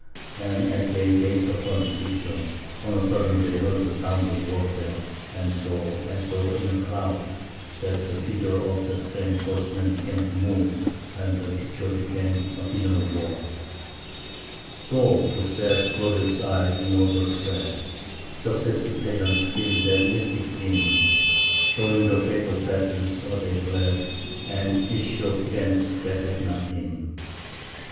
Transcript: And as they gazed upon the picture, on a sudden they heard the sound of warfare, and saw, as though in a cloud, that the figures of the strange horsemen began to move, and the picture became a vision of war: So to sad Roderick's eye, in order spread, Successive pageants filled that mystic scene, Showing the fate of battles ere they bled, And issue of events that had not been.